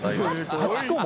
８個も？